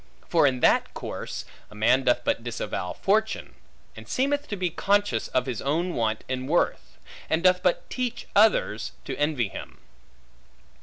For in that course, a man doth but disavow fortune; and seemeth to be conscious of his own want in worth; and doth but teach others, to envy him.